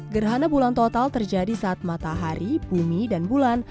gerhana bulan total terjadi saat matahari bumi dan bulan